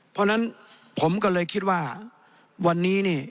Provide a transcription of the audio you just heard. เพราะฉะนั้นผมก็เลยคิดว่าวันนี้นี่